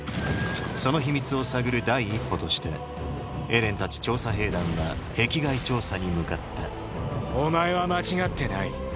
その秘密を探る第一歩としてエレンたち調査兵団は壁外調査に向かったお前は間違ってない。